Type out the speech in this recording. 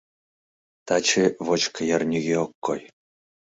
Таче вочко йыр нигӧ ок кой.